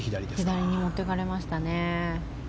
左に持っていかれましたね